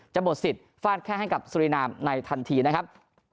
หมดสิทธิ์ฟาดแข้งให้กับสุรินามในทันทีนะครับ